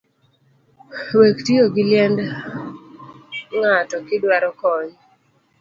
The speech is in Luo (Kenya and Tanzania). Wek tiyo gi liend ng’ato kiduaro kony